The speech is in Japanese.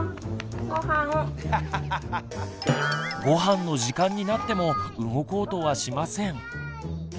ごはんの時間になっても動こうとはしません。